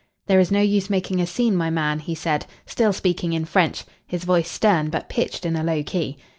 "There is no use making a scene, my man," he said, still speaking in French, his voice stern, but pitched in a low key.